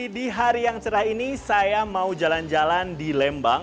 di hari yang cerah ini saya mau jalan jalan di lembang